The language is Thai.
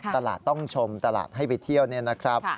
ตลาดต้องชมตลาดให้ไปเที่ยวเนี่ยนะครับ